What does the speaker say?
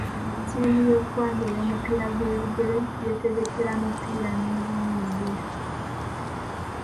Ttiimu y'eggwanga ey'omupiira gw'ebigere yeetegekera mupiira ne burundi.